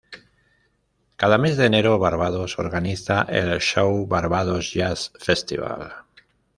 Cada mes de enero, Barbados organiza el show Barbados Jazz Festival.